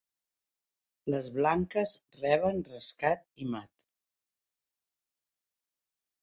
Les blanques reben escac i mat.